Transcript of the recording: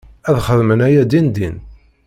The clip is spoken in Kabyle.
Ad xedmen aya dindin.